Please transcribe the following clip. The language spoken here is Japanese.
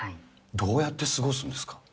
どうやって過ごすんですか。